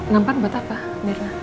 nampak buat apa mirna